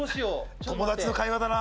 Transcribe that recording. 友達の会話だな。